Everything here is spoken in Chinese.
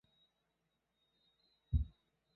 该歌曲也随着登上央视而在全国出名。